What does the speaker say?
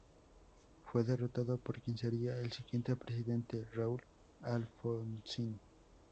Fue derrotado por quien sería el siguiente presidente, Raúl Alfonsín.